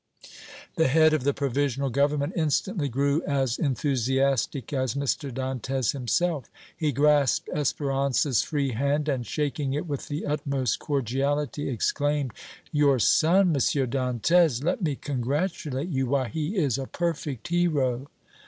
The head of the Provisional Government instantly grew as enthusiastic as M. Dantès himself; he grasped Espérance's free hand and, shaking it with the utmost cordiality, exclaimed: "Your son, M. Dantès! Let me congratulate you! Why he is a perfect hero!"